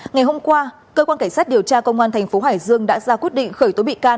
ngày hôm qua cơ quan cảnh sát điều tra công an thành phố hải dương đã ra quyết định khởi tố bị can